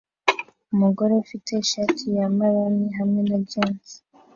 Umugore ufite ishati ya maroon hamwe na jans